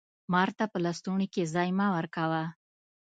مار ته په لستوڼي کي ځای مه ورکوه!